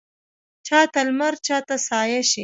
چا ته لمر چا ته سایه شي